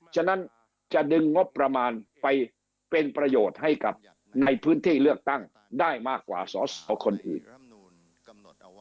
ฉะนั้นจะดึงงบประมาณไปเป็นประโยชน์ให้กับในพื้นที่เลือกตั้งได้มากกว่าสอสอคนอื่นกำหนดเอาไว้